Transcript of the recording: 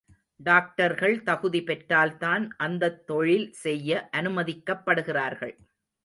டாக்டர்கள் தகுதி பெற்றால்தான் அந்தத் தொழில் செய்ய அனுமதிக்கப்படுகிறார்கள்.